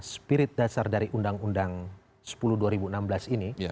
spirit dasar dari undang undang sepuluh dua ribu enam belas ini